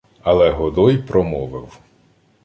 Але Годой промовив: